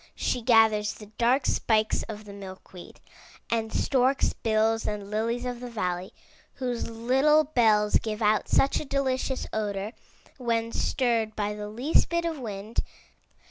She gathers the dark spikes of the milk weed and stork's bills and lilies of the valley, whose little bells give out such a delicious odor when stirred by the least bit of wind.